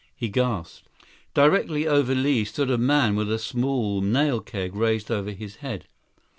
He gasped. Directly over Li stood a man with a small nail keg raised over his head.